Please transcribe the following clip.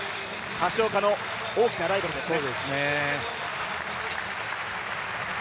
橋岡の大きなライバルですね。